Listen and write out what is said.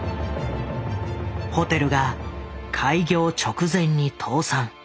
ホテルが開業直前に倒産。